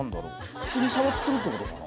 普通に触ってるってことかな？